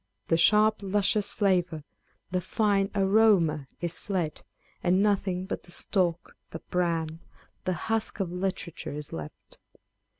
The sharp luscious flavour, the fino aroma is fled, and nothing but the stalk, the bran, the husk of literature is left.